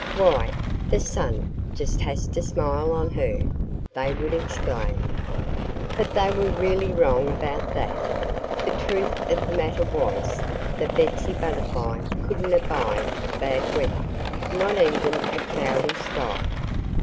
"Why, the sun just has to smile on her!" they would exclaim. But they were really wrong about that. The truth of the matter was that Betsy Butterfly couldn't abide bad weather not even a cloudy sky.